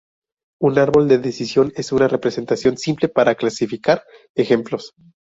Un árbol de decisión es una representación simple para clasificar ejemplos.